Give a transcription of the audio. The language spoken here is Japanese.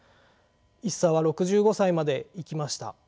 一茶は６５歳まで生きました。